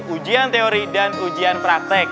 ujian teori dan ujian praktek